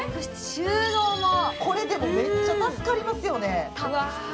これでもめっちゃ助かりますよね。